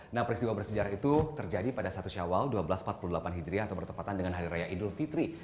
nah peristiwa bersejarah itu terjadi pada satu syawal seribu dua ratus empat puluh delapan hijriah atau bertepatan dengan hari raya idul fitri